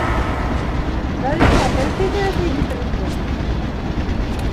Зарифаға тел тейҙерә тиһендер инде?